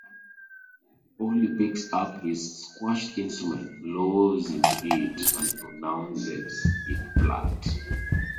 Ollie picks up his squashed instrument, blows into it, and pronounces it Flat.